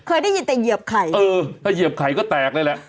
เคยได้ยินแต่เหยียบไข่เออถ้าเหยียบไข่ก็แตกเลยแหละ